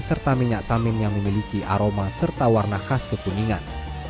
serta minyak samin yang memiliki aroma serta warna khas kekuningan